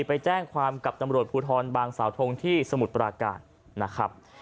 ไปแจ้งความกับตำรวจภูทรบางสาวทงที่สมุทรปราการนะครับ